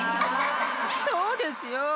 そうですよ！